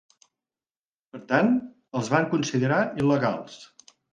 Per tant, els van considerar il·legals.